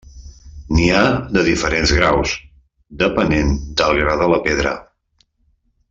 N'hi ha de diferents graus, depenent del gra de la pedra.